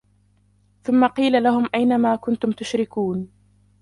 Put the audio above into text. ثُمَّ قِيلَ لَهُمْ أَيْنَ مَا كُنْتُمْ تُشْرِكُونَ